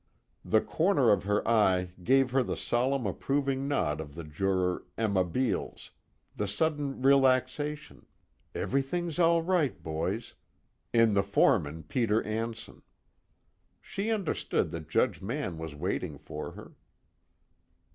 The corner of her eye gave her the solemn approving nod of the juror Emma Beales, the sudden relaxation everything's all right, boys in the foreman Peter Anson. She understood that Judge Mann was waiting for her.